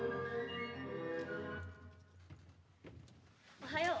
おはよう。